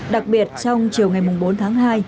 đặc biệt trong chiều ngày bốn tháng hai